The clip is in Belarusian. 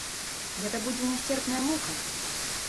Гэта будзе нясцерпная мука!